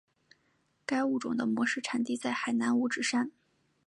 该物种的模式产地在海南五指山。